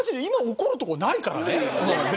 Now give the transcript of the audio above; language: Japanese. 今怒るところないからね。